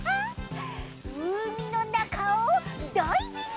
うみのなかをダイビング！